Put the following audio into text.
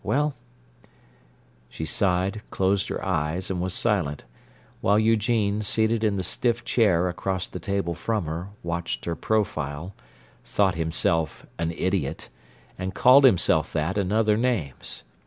Well—" She sighed, closed her eyes, and was silent, while Eugene, seated in the stiff chair across the table from her, watched her profile, thought himself an idiot, and called himself that and other names.